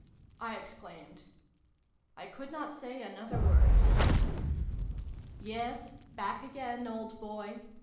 I exclaimed. I could not say another word. " Yes, back again, old boy